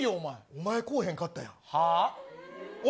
お前こうへんかったやん。